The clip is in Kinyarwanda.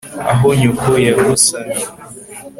aho nyoko yagusamiye